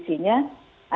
artinya mau tidak mau